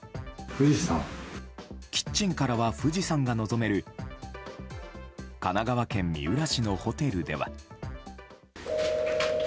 キッチンからは富士山が望める神奈川県三浦市のホテルでは。